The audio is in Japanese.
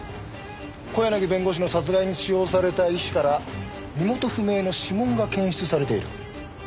小柳弁護士の殺害に使用された石から身元不明の指紋が検出されている。